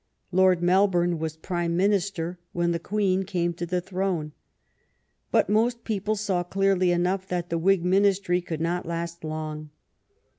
Lord Melbourne was Prime Minister when the Queen came to the throne. But most people saw clearly enough that the Whig Ministry could not last long.